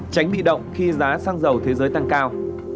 tránh bị động khi giá xăng dầu thế giới tăng cao